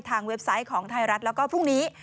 เว็บไซต์ของไทยรัฐแล้วก็พรุ่งนี้